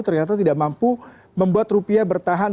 ternyata tidak mampu membuat rupiah bertahan